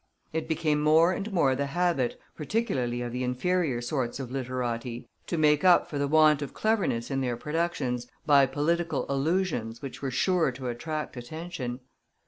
It became more and more the habit, particularly of the inferior sorts of literati, to make up for the want of cleverness in their productions, by political allusions which were sure to attract attention.